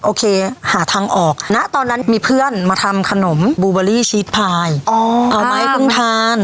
โอเคหาทางออกณตอนนั้นมีเพื่อนมาทำขนมบูเบอรี่ชีสพายเอามาให้เพิ่งทาน